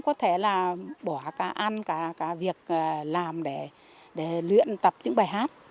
có thể là bỏ cả ăn cả việc làm để luyện tập những bài hát